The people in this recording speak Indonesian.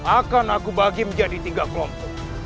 akan aku bagi menjadi tiga kelompok